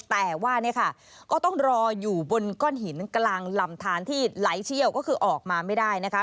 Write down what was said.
แต่ว่าเนี่ยค่ะก็ต้องรออยู่บนก้อนหินกลางลำทานที่ไหลเชี่ยวก็คือออกมาไม่ได้นะคะ